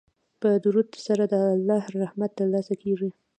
په درود سره د الله رحمت ترلاسه کیږي.